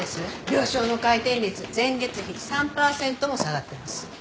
病床の回転率前月比３パーセントも下がってます。